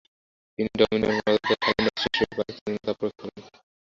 তিনি ডমিনিয়ন মর্যাদায় স্বাধীন রাষ্ট্র হিসেবে পাকিস্তানের জন্য চাপ প্রয়োগ করেন।